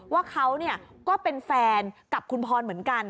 ว่าเขาก็เป็นแฟนกับคุณพรเหมือนกัน